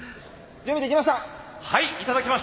準備できました。